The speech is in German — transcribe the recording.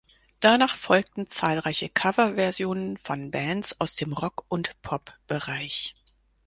Danach folgten zahlreiche Coverversionen von Bands aus dem Rock- und Pop-Bereich.